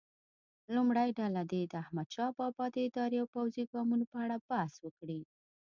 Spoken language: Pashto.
لومړۍ ډله دې د احمدشاه بابا اداري او پوځي ګامونو په اړه بحث وکړي.